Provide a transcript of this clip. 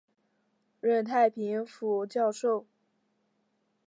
任太平府教授。